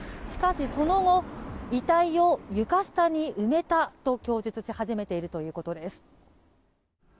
しかし、その後遺体を床下に埋めたと供述し始めているということです。